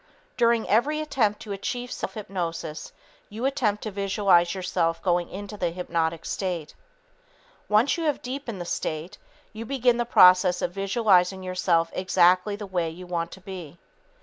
During every attempt to achieve self hypnosis, you attempt to visualize yourself going into the hypnotic state. Once you have deepened the state, you begin the process of visualizing yourself exactly the way you want to be.